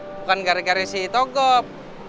bukan gara gara si togup